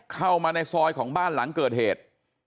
เข้ามาในซอยของบ้านหลังเกิดเหตุ